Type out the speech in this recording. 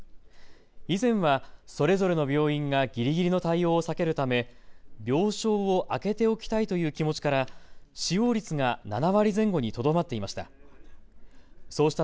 以前は、それぞれの病院がぎりぎりの対応を避けるため病床を空けておきたいという気持ちから使用率が７割前後にとどまっていました。